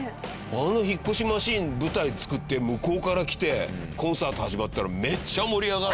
あの引っ越しマシンに舞台作って向こうから来てコンサート始まったらめっちゃ盛り上がる。